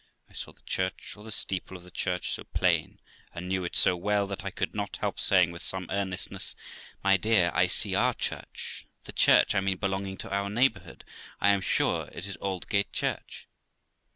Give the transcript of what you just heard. I saw the church, or the steeple of the church, so plain, and knew it so well, that I could not help saying, with some earnestness, ' My dear, I see our church ; the church, I mean, belonging to our neighbourhood ; I am sure it is Aldgate Church.'